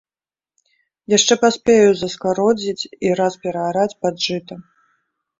Яшчэ паспею заскародзіць і раз пераараць пад жыта.